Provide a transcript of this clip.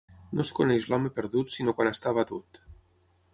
No es coneix l'home perdut, sinó quan està abatut.